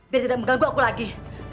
biar tidak mengganggu aku lagi